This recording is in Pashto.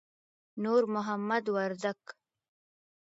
نور محمد وردک